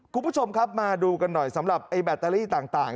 คุณผู้ชมครับมาดูกันหน่อยสำหรับไอ้แบตเตอรี่ต่าง